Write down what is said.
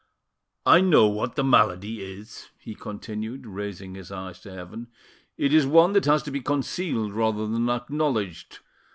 "I know what the malady is," he continued, raising his eyes to heaven; "it is one that has to be concealed rather than acknowledged.